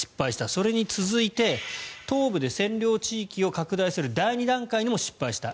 それに続いて東部で占領地域を拡大する第２段階にも失敗した。